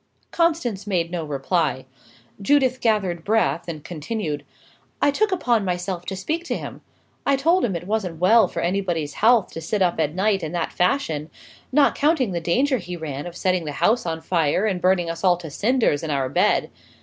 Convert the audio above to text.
Constance made no reply. Judith gathered breath, and continued: "I took upon myself to speak to him. I told him it wasn't well for anybody's health, to sit up at night, in that fashion; not counting the danger he ran of setting the house on fire and burning us all to cinders in our beds.